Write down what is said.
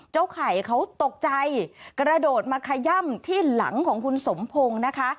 ไข่เขาตกใจกระโดดมาขย่ำที่หลังของคุณสมพงศ์นะคะ